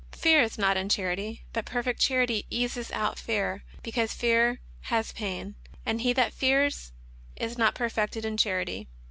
Fear is not in charity ; but perfect charity casteth out fear, because fear hath pain. And he that feareth is not perfected in charity.